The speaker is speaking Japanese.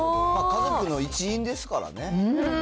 家族の一員ですからね。